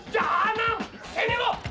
jangan sini loh